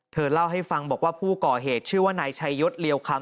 เธอเล่าให้ฟังบอกว่าผู้ก่อเหตุชื่อว่านายชัยยศเลียวคำ